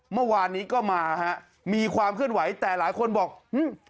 เมื่อวานนี้ก็มาฮะมีความเคลื่อนไหวแต่หลายคนบอกอืม